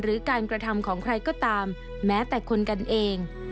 หรือการกระทำของใครก็ตามแม้แต่คนกันเอง